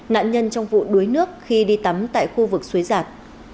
nạn nhân trong vụ đuối nước khi đi tắm tại khu vực suối giạt